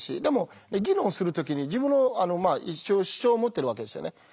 でも議論をする時に自分の一応主張を持ってるわけですよね。